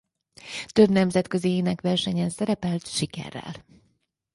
Több nemzetközi énekversenyen szerepelt sikerrel.